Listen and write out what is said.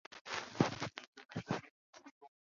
他出身自埃弗顿的青训系统。